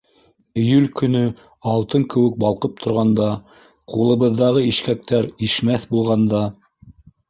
Июль көнө алтын кеүек Балҡып торғанда, Ҡулыбыҙҙағы ишкәктәр Ишмәҫ булғанда